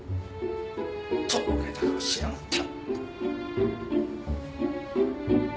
とぼけた顔しやがって。